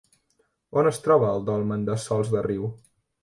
On es troba el dolmen de Sòls de Riu?